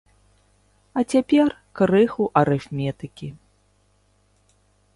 А цяпер крыху арыфметыкі.